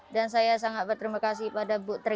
dan saya sangat berterima kasih pada bu tri